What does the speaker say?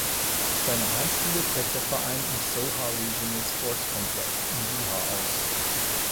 Seine Heimspiele trägt der Verein im Sohar Regional Sports Complex in Suhar aus.